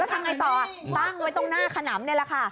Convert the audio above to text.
ทำไงต่อตั้งไว้ตรงหน้าขนำนี่แหละค่ะ